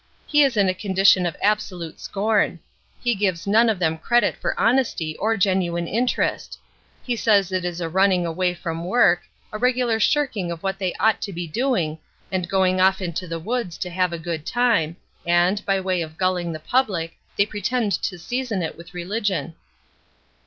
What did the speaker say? "He is in a condition of absolute scorn. He gives none of them credit for honesty or genuine interest. He says it is a running away from work, a regular shirking of what they ought to be doing, and going off into the woods to have a good time, and, by way of gulling the public, they pretend to season it with religion."